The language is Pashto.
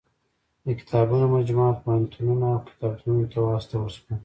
د کتابونو مجموعه پوهنتونونو او کتابتونو ته واستول شوه.